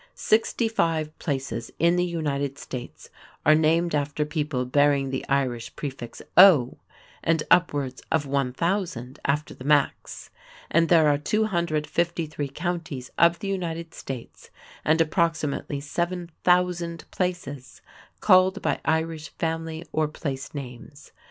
Sixty five places in the United States are named after people bearing the Irish prefix "O" and upwards of 1000 after the "Macs", and there are 253 counties of the United States and approximately 7000 places called by Irish family or place names.